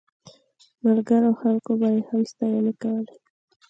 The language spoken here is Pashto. ملګرو او خلکو به یې هم ستاینې کولې.